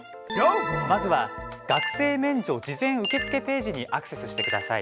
まずは学生免除事前受付ページにアクセスしてください。